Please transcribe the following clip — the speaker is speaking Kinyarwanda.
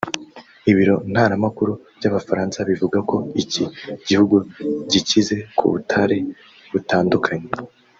Ibiro ntaramakuru by’Abafaransa bivuga ko iki gihugu gikize ku butare butandukanye